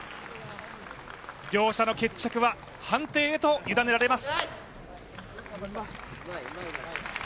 両者の決着は判定へとゆだねられます。